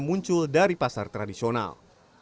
muncul dari pasar tradisional